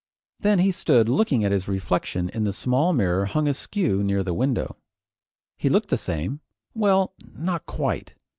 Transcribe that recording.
Then he stood looking at his reflection in the small mirror hung askew near the window. He looked the same well, not quite.